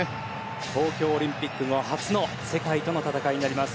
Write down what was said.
東京オリンピック後初の世界との戦いとなります